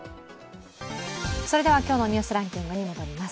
それでは今日の「ニュースランキング」に戻ります。